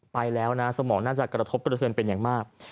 ไปแล้วนะสมองน่าจะกระทบกระเทือนเป็นอย่างมาก